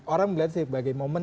orang melihat sebagai momen